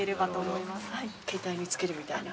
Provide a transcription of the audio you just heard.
携帯につけるみたいな。